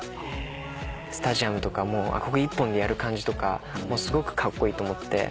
スタジアムとかもアコギ一本でやる感じとかすごくカッコイイと思って。